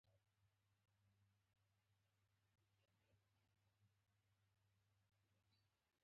په نړۍ کې له دې درکه څلورم مقام لري.